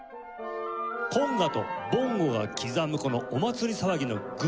コンガとボンゴが刻むこのお祭り騒ぎのグルーヴ感。